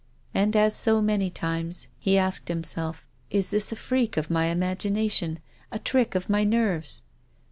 And, as so many times, he asked himself :" Is this a freak of my imagination, a trick of my nerves